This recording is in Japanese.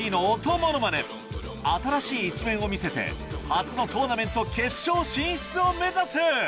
ものまね新しい一面を見せて初のトーナメント決勝進出を目指す！